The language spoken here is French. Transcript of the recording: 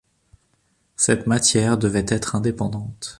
Cette matière devait être indépendante.